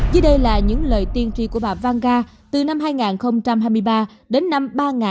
dưới đây là những lời tiên tri của bà vanga từ năm hai nghìn hai mươi ba đến năm ba nghìn bảy trăm chín mươi bảy